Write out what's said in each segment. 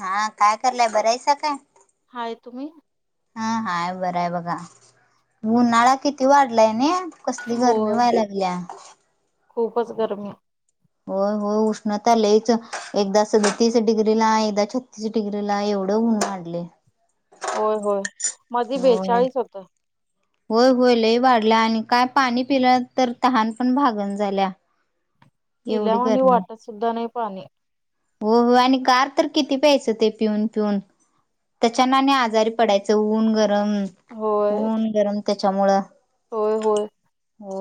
हा काय करलाय बरायसका? हाय तुम्ही? हं हाय बरं आहे बघा उन्हाळा किती वाढलाय नाही? कसली गरमी होय व्हायला लागलीया. खूपच गरमी. होय हो उष्णता लईच एकदा सदतीस डिग्री ला एकदा छत्तीस डिग्री ला एवढं ऊन वाढलय. होय होय मधी होय बेचाळीस होतं. होय होय लही वाढल्या आणि काय पाणी पिलं तर तहान पण भागण झाल्या. पिल्या एवढी आणि गरमी वाटत सुद्धा नाही पाणी हो हो आणि कार तर किती पैसे ते पिऊन पिऊन त्याच्याना आणि आजारी पडायचं ऊन गरम होय ऊन गरम त्याच्यामुळं होय होय. हो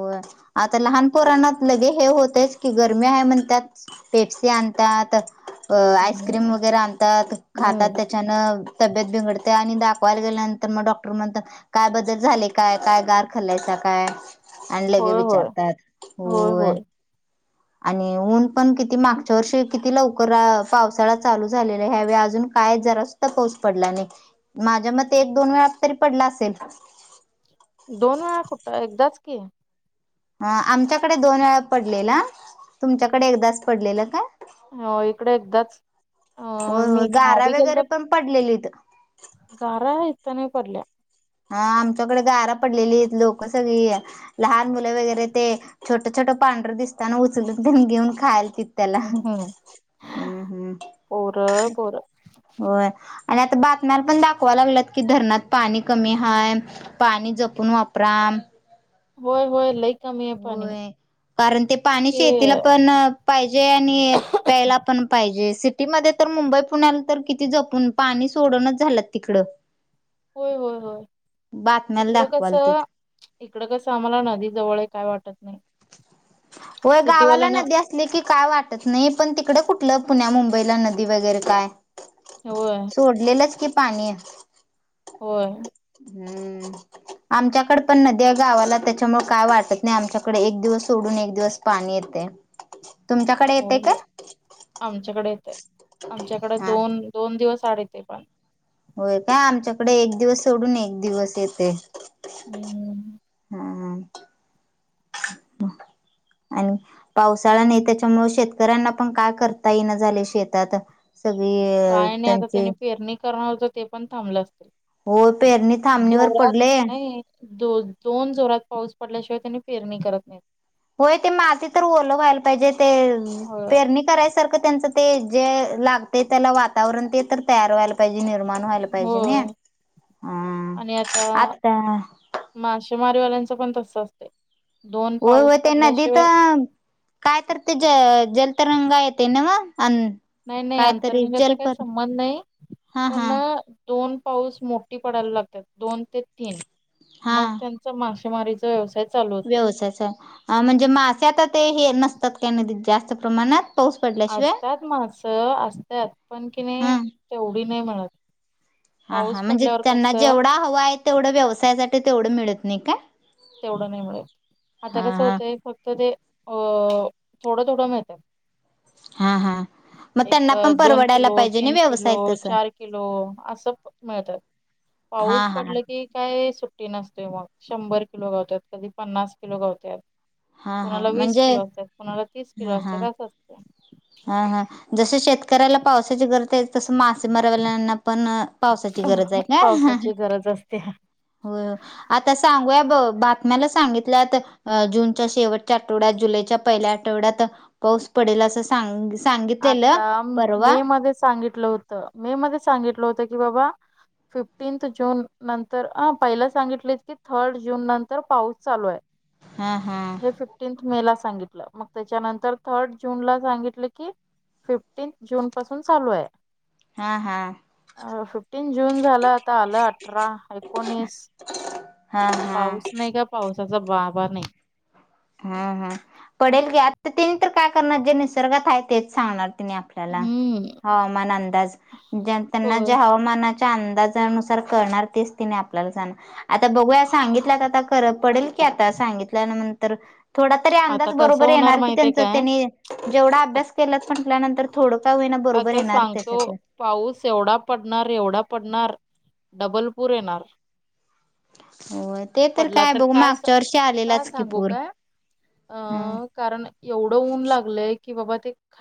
आता लहानपराणात लगे हे होतच की गरमी आहे म्हण त्यात पेप्से आणतात आईस्क्रीम हम्म वगैरे आणतात खातात हम्म त्या छान तब्येत बिघडते आणि दाखवायला गेल्यानंतर मग डॉक्टर म्हणत. काय बदल झाले काय काय गार खाल्लायचा काय? आणलं के होय होय विचारतात होय. आणि ऊन पण किती मागच्या वर्षी किती लवकर पावसाळा चालू झालेला ह्यावेळी अजून काय जरास पाऊस पडला नाही माझ्या मते एक दोन वेळा तरी पडला असेल. दोन वेळा कुठं एकदाच की अ आमच्याकडे दोन वेळा पडलेला तुमच्याकडे एकदाच पडलेलं काय? हो इकडे एकदाच अ मीवी गेलतो. पडलेले इत घरा इतने पडल्या. हा आमच्याकडे गारं पडलेली आहेत लोक सगळी लहान मुले वगैरे ते छोटं छोटं पांढरं दिसताना उचलून घेऊन खायला त हम्् पर पोर. होय आणि आता बातम्याला पण दाखवा लागलत की धरणात पाणी कमी हय. पाणी जपून वापरा. होय होय लईक होय कारण ते पाणी शेतीला पण पाहिजे आणि प्यायला पण पाहिजे सिटीमध्ये तर मुंबई पुण्याला तर किती जपून पाणी सोडणच झालं तिकडं. होय होय होय बातम्याला इकडं कस? दाखवाल तिथ इकडं कसं आम्हाला नदी जवळ आहे काय वाटत नाही. होय गावाला सिटीवाल्यांना ना देस की काय वाटत नाही पण तिकडे कुठलं पुण्या मुंबईला नदी वगैरे काय? हो. सोडलेलंच की पाणी हो. हम्म आमच्याकड पण नद्या गावाला त्याच्यामुळे काय वाटत नाही आमच्याक तकडे एक दिवस सोडून एक दिवस पाणी येते. तुमच्याकडे येते हो काय आमच्याकडे येतय आमच्याकडे हा दोन दोन दिवस आडतेे पण होय काय आमच्याकडे एक दिवस सोडून एक दिवस येते. हम्म. हम्म हम्. आणि पावसाळा नाही त्याच्यामु शेतकऱ्यांना पण काय करता येना झाले शेतात सगळी अ त्यांची करणारत ते पण थांबलं असत होय पेरणी थांबणीवर जोात पडले नाही. दो दोन जोरात पाऊस पडल्याशिवाय त्यानी पेरणी करत नाहीत. होय ते माती तर ओलं व्हायला पाहिजे ते होय पेरणी करायच? त्यांच ते जे लाग त्या वातावरण ते तयार व्हाय. पाहिजे निर्माण व्हायला पाहिजे न होय ह आता मासेमारीवाल्यांचं पण तस असते. होय हो त्यांनादी तर काय तर ते ज जलतरंगा येते ना म अ नाही नाही आंतरगंगाचा काही संबंध नाही हा पण हा दोन पाऊस मोठी पडायला लागतात दोन ते तीन मग त्यां मासेमारीचा व्यवसाय चालू होतोय व्यवसायाच म्हणजे मासे आता ते हे नसतात काय जास्त प्रमाणात पाऊस पडल्याशिवाय असतात माझं असतात पण की हा नाही तेवढी नाही मिळत हा हा पाऊस म्हणजे पडल्यावर त्यांना कसं जेवढा हवा आहे तेवढं व्यवसायासाठी तेवढं मिळत नाही काय तेवढं नाही मिळत आता हा कसं हा होतंय फक्त ते अ थोडं थोडं माहळत हा हा मग एक त्यांना पण दोन परवडायला किलो पाहिजे ना तीन किलो व्यवसाय तस चार किलो असं त हा पाऊस हा पडल की काय सुट ते मग शंभर किलो गावतात कधी पन्नास किलो गावत हा हा कोणाला वीस म्हणजे किलो असतात कोणाला तीस हा किलो हा असतात असं असते हा हा जस शेतकऱ्याला पावसाची गरज आहे तस मासेमारवाल्यांना पण पावसाची गरज आहे का पावसाची गरज असते हो आता सांगूया ब बातम्याला सांगितलंत अ जूनच्या शेवटच्या आठवड्यात जुलैच्या पहिल्या आठवड्यात पाऊस पडेल असं सांग सांगितलेलं आता परवा मे मध्ये सांगितलं होतं मे मध्ये सांगितलं होतं की बाबा फिफ्टीनथ जून नंतर अ पहिला सांगितलेत की थर्ड जून नंतर पाऊस चालू आहे हां हां हे मे ला सांगितलं मग त्याच्यानंतर थर्ड जून ला सांगितले कि फिफ्टीन जून पासून चालू आहे हा हा अ फिफ्टीन जून झालं आता आलं अठरा एकोणीस हा पाऊस हम् नाही का पावसाचा बाबा नाही हम हम पडेल की आता तिने तर काय करणार जे निसर्गात आहे तेच सांगणार तिने आप हम्म हवामान अंदा होय. त्यां मनाच्या अंदाजानुसार करणार तेच तिने आपल्याला जाणार आता बघूया सांगितल्या आता ख पडेल की आता सांगितल्यानंतर थोडा तरी आता अंदाज कसं बरोबर होणार येणार की माहितीय त्यांच काय त्यांनी जेवढा आ- अभ्यास केलाच म्हटल्यानंतर थोडं का होई ना बरोबर येणार तो त्याच्यातलं पाऊस एवढा पडणार एवढा पडणार डबलपूर येणार हो ते तर पडला काय बघू का मागच्या वर्ष का आलेलाच की सांगू पूर काय अ हा कारण एवढं ऊन लागलय की बाबा ते ख